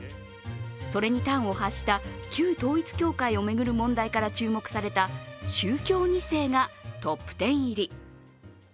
それに端を発した、旧統一教会を巡る問題から注目された宗教２世がトップ１０入り。